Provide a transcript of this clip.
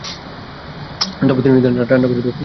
তারপর তিনি তা ঠাণ্ডা করে অপেক্ষা করেন।